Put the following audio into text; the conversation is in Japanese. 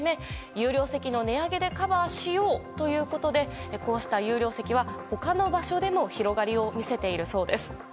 有料席の値上げでカバーしようということでこうした有料席は、他の場所でも広がりを見せているそうです。